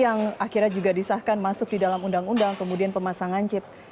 yang akhirnya juga disahkan masuk di dalam undang undang kemudian pemasangan chips